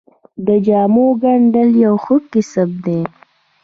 د جامو ګنډل یو ښه کسب دی